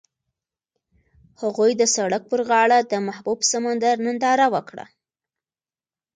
هغوی د سړک پر غاړه د محبوب سمندر ننداره وکړه.